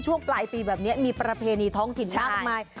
ช่วงปลายปีแบบนี้มีประเพณีท้องถิ่นมากมาย